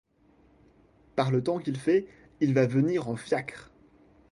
Par le temps qu'il fait, il va venir en fiacre.